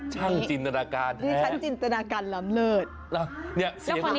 เหมือนเลย